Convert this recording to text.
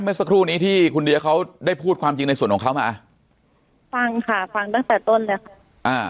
เมื่อสักครู่นี้ที่คุณเดียเขาได้พูดความจริงในส่วนของเขามาฟังค่ะฟังตั้งแต่ต้นเลยค่ะอ่า